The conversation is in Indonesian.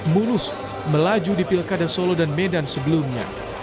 mulus melaju di pilkada solo dan medan sebelumnya